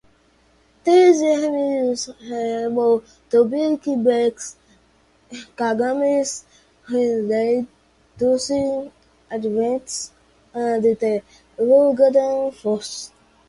These armies were able to beat back Kagame's Rwandan-Tutsi advances and the Ugandan forces.